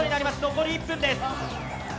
残り１分です。